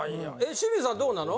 清水さんどうなの？